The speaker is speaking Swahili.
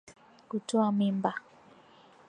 Kutoka mimba